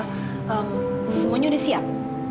semuanya udah siap